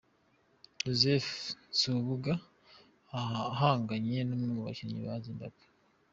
Joseph Nsubuga ahanganye nnumwe mu bakinnyi ba Zimbabwe